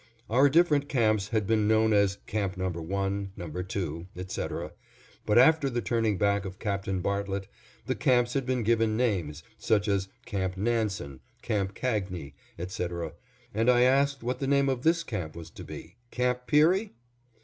Our different camps had been known as Camp Number One, Number Two, etc., but after the turning back of Captain Bartlett, the camps had been given names such as Camp Nansen, Camp Cagni, etc., and I asked what the name of this camp was to be "Camp Peary"?